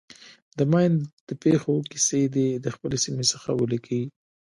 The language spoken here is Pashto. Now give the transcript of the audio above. د ماین د پېښو کیسې دې د خپلې سیمې څخه ولیکي.